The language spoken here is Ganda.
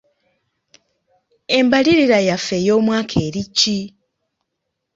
Embalirira yaffe ey'omwaka eri ki?